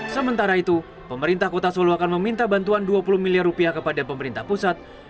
sementara itu pemerintah kota solo akan meminta bantuan dua puluh miliar rupiah kepada pemerintah pusat